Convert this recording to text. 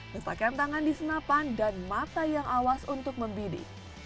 lestakan tangan di senapan dan mata yang awas untuk membidik